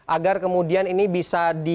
agar kemudian ini bisa